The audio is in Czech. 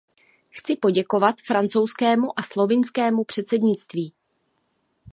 Chci poděkovat francouzskému a slovinskému předsednictví.